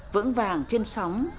vững vàng trên sóng